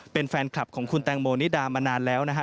เป็นแฟนคลับของคุณแตงโมนิดามานานแล้วนะฮะ